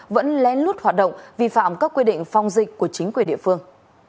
vẫn lén lút hoạt động vi phạm các quy định phong dịch của chính quyền địa phương